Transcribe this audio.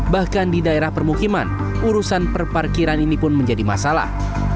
bahkan di daerah permukiman urusan perparkiran ini pun menjadi masalah